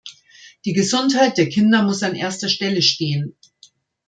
Die Gesundheit der Kinder muss an erster Stelle stehen.